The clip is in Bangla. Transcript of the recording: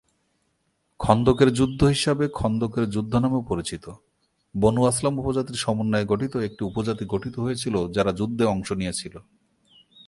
খন্দকের যুদ্ধ হিসাবে খন্দকের যুদ্ধ নামেও পরিচিত, বনু আসলাম উপজাতির সমন্বয়ে গঠিত একটি উপজাতি গঠিত হয়েছিল যারা যুদ্ধে অংশ নিয়েছিল।